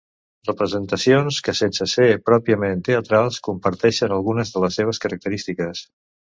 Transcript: Representacions que sense ser pròpiament teatrals, comparteixen algunes de les seves característiques.